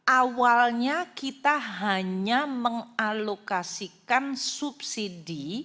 awalnya kita hanya mengalokasikan subsidi